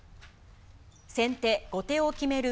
先手、後手を決める